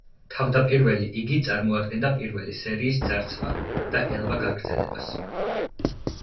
თავდაპირველი იგი წარმოადგენდა პირველი სერიის ძარცვა და ელვა გაგრძელებას.